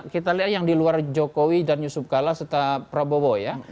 kita lihat yang di luar jokowi dan yusuf kalla serta prabowo ya